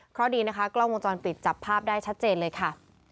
เพราะดีนะคะกล้องวงจรปิดจับภาพได้ชัดเจนเลยค่ะ